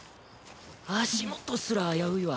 足元すら危ういわ。